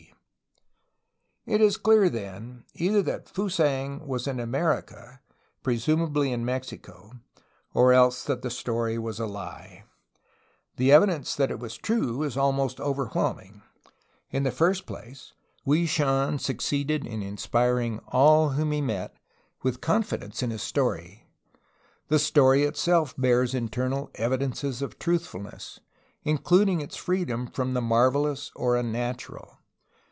D. It is clear, then, either that Fusang was in America, pre sumably in Mexico, or else that the story was a he. The THE CHINESE ALONG THE COAST IN ANCIENT TIMES 27 evidence that it was true is almost overwhelming. In the first place, Hwui Shan succeeded in inspiring all whom he met with confidence in his story. The story itself bears in ternal evidences of truthfulness, including its freedom from the marvelous or unnatural.